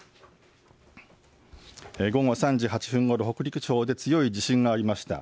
午後３時８分ごろ北陸地方で強い地震がありました。